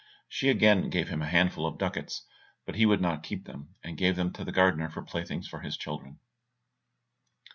She again gave him a handful of ducats, but he would not keep them, and gave them to the gardener for playthings for his children.